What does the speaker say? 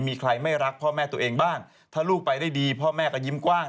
มีใครไม่รักพ่อแม่ตัวเองบ้างถ้าลูกไปได้ดีพ่อแม่ก็ยิ้มกว้าง